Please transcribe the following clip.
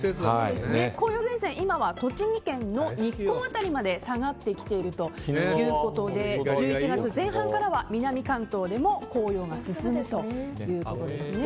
紅葉前線は今は栃木県の日光辺りまで下がってきているということで１１月前半からは南関東でも紅葉が進むということですね。